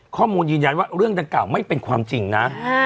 ข้อมูลยืนยันว่าเรื่องดังกล่าวไม่เป็นความจริงนะ